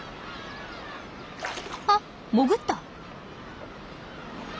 あ潜った！